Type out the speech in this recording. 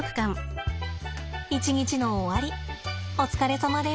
一日の終わりお疲れさまです。